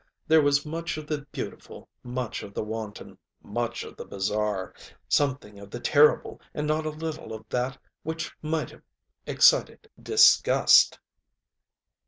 There was much of the beautiful, much of the wanton, much of the bizarre, something of the terrible, and not a little of that which might have excited disgust.